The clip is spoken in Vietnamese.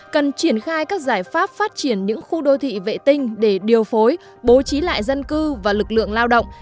cần triển khai các giải pháp phát triển những khu đô thị vệ tinh để điều phối bố trí lại dân cư và lực lượng lao động